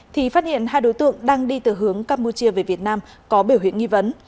thì phát hiện hai đối tượng đang đi từ hướng campuchia về việt nam có biểu hiện nghi vấn